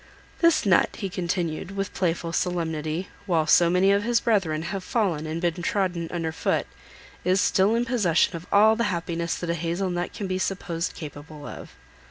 This nut," he continued, with playful solemnity, "while so many of his brethren have fallen and been trodden under foot, is still in possession of all the happiness that a hazel nut can be supposed capable of."